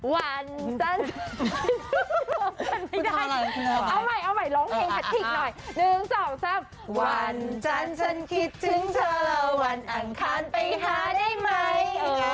วันจันฉันคิดถึงเธอแล้ววันอังคารไปหาได้ไหม